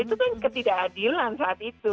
itu kan ketidakadilan saat itu